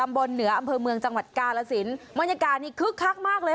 บนเหนืออำเภอเมืองจังหวัดกาลสินบรรยากาศนี้คึกคักมากเลย